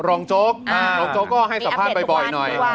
อะรองโจ๊กก็ให้สาภาพบ่อยอย่างน้อย